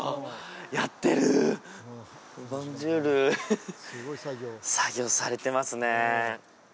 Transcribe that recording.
やってるボンジュール作業されてますね